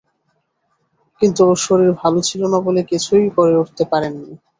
কিন্তু ওঁর শরীর ভালো ছিল না বলে কিছুই করে উঠতে পারেন নি।